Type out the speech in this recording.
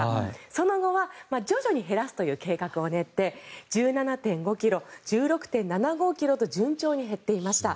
その後は徐々に減らすという計画を練って１７．５ｋｇ１６．７５ｋｇと順調に減っていました。